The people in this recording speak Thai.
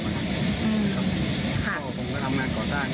ผมเริ่มทำงานก่อสร้าง